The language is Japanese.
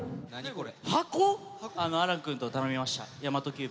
これ。